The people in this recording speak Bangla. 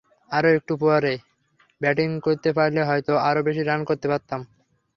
আরও একটু ওপরে ব্যাটিং করতে পারলে হয়তো আরও বেশি রান করতে পারতাম।